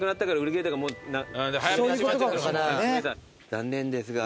残念ですが。